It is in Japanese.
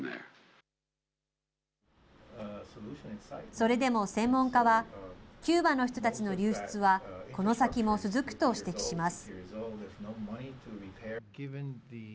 それでも専門家は、キューバの人たちの流出はこの先も続くと指摘します。